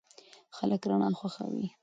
خلک رڼا خوښوي.